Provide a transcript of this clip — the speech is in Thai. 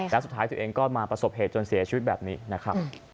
แล้วสุดท้ายตัวเองก็มาประสบเหตุจนเสียชีวิตแบบนี้นะครับ